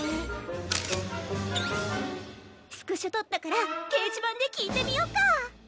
カシャスクショ撮ったから掲示板で聞いてみよっか。